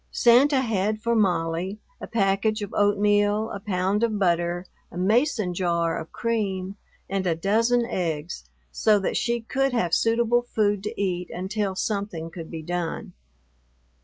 Santa had for Molly a package of oatmeal, a pound of butter, a Mason jar of cream, and a dozen eggs, so that she could have suitable food to eat until something could be done.